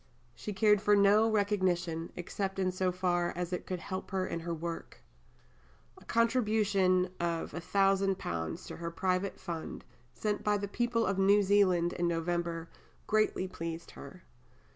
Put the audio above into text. She cared for no recognition, except in so far as it could help her in her work. A contribution of £1000 to her private fund, sent by the people of New Zealand in November, greatly pleased her.